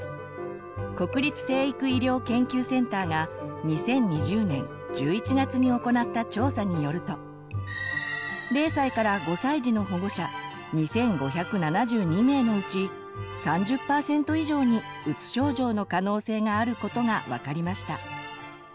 国立成育医療研究センターが２０２０年１１月に行った調査によると０歳から５歳児の保護者２，５７２名のうち３０％以上にうつ症状の可能性があることが分かりました。